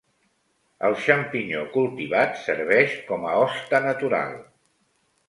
El xampinyó cultivat serveix com a hoste natural.